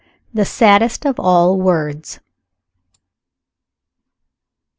THE SADDEST OF ALL WORDS.